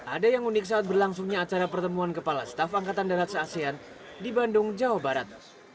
ada yang unik saat berlangsungnya acara pertemuan kepala staf angkatan darat se asean di bandung jawa barat